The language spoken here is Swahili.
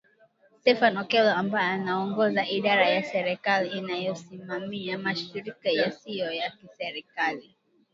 Stephen Okello ambaye anaongoza idara ya serikali inayosimamia mashirika yasiyo ya kiserikali